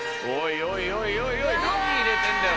おいおい何入れてんだよ